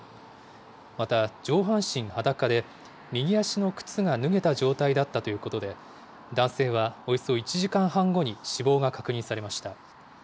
また、上半身裸で、右足の靴が脱げた状態だったということで、男性はおよそ１時間半後に死亡が確認されました。